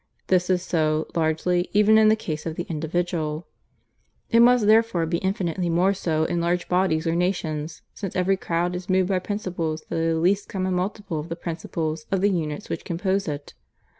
This is so, largely, even in the case of the individual; it must therefore be infinitely more so in large bodies or nations; since every crowd is moved by principles that are the least common multiple of the principles of the units which compose it.